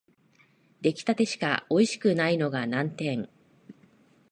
出来立てしかおいしくないのが難点